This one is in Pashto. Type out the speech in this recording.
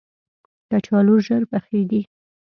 کچالو ژر پخیږي